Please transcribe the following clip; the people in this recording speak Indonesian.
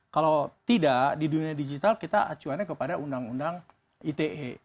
kalau tidak di dunia digital kita acuannya kepada undang undang ite